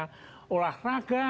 apakah itu olahraga